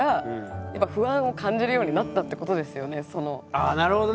ああなるほどね。